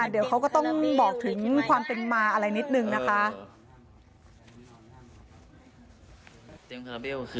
เดี๋ยวเขาก็ต้องบอกถึงความเป็นมาอะไรนิดนึงนะคะ